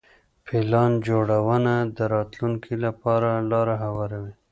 پلان جوړونه د راتلونکي لپاره لاره هواروي.